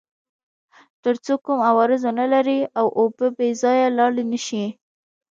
تر څو کوم عوارض ونلري او اوبه بې ځایه لاړې نه شي.